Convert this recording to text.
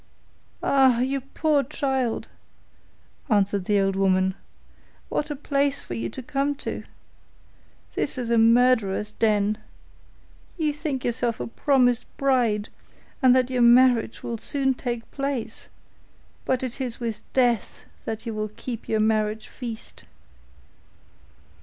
'Ah, you poor child,' answered the old woman, 'what a place for you to come to! This is a murderers' den. You think yourself a promised bride, and that your marriage will soon take place, but it is with death that you will keep your marriage feast.